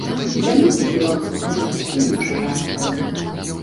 Для многіх беларусаў гэта зусім не чужая краіна.